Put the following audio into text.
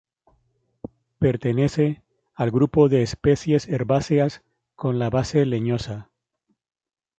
Pertenece al grupo de especies herbáceas con la base leñosa.